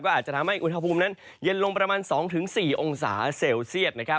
อาจจะทำให้อุณหภูมินั้นเย็นลงประมาณ๒๔องศาเซลเซียต